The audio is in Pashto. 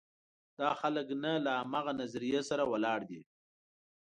دا خلک نه له همغه نظریې سره ولاړ دي.